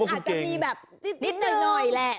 อาจจะมีแบบนิดหน่อยแหละ